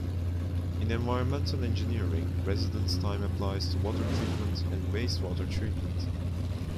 In environmental engineering, residence time applies to water treatment and wastewater treatment.